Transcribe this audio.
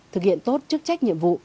thực hiện tốt chức trách nhiệm vụ